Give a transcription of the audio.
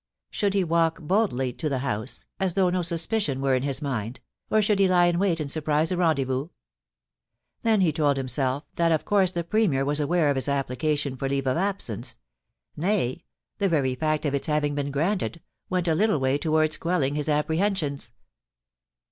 Should he walk boldly to the house, as though no suspicion were in his mind, or should he lie in wait and surprise a rendezvous ? Then he told himself that of course the Premier was aware of his application for leave of absence ; nay, the very fact of its having been granted, went a little way towards quelling his apprehensions.